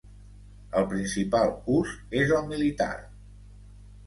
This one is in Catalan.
El principal ús és el militar.